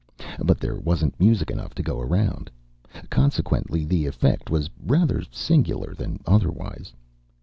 But there wasn't music enough to go around: consequently, the effect was rather singular, than otherwise.